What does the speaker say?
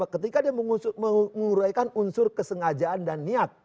ketika dia menguraikan unsur kesengajaan dan niat